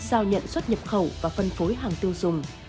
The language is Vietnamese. giao nhận xuất nhập khẩu và phân phối hàng tiêu dùng